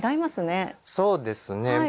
そうですね。